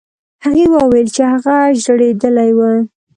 هغې وویل چې هغه ژړېدلی و.